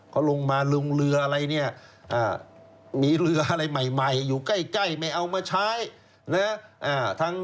เขาลงมาลงเรืออะไรเนี่ยมีเรืออะไรใหม่อยู่ใกล้ไม่เอามาใช้นะ